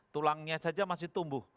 tulangnya saja masih tumbuh